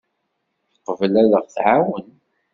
Teqbel ad aɣ-tɛawen.